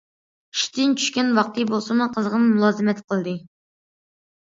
ئىشتىن چۈشكەن ۋاقتى بولسىمۇ، قىزغىن مۇلازىمەت قىلدى.